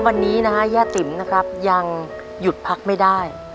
วันนี้นะฮะย่าติ๋มนะครับยังหยุดพักไม่ได้